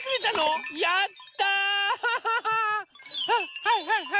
はいはいはい。